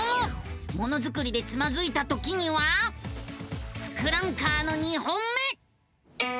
ものづくりでつまずいたときには「ツクランカー」の２本目！